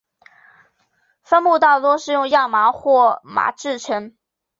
帆布大多是用亚麻或麻制成。